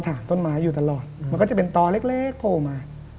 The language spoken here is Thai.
ต้นไม้อยู่ตลอดมันก็จะเป็นตอเล็กโผล่มา